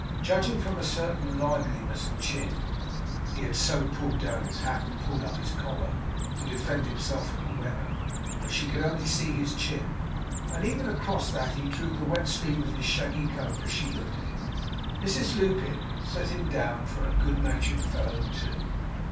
Judging from a certain liveliness of chin he had so pulled down his hat, and pulled up his collar, to defend himself from the weather, that she could only see his chin, and even across that he drew the wet sleeve of his shaggy coat, as she looked at him Mrs Lupin set him down for a good natured fellow, too.